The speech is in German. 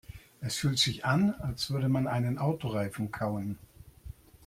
Es fühlt sich an, als würde man einen Autoreifen kauen.